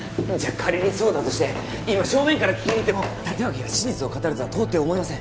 仮にそうだとして今正面から聞きに行っても立脇が真実を語るとは到底思えません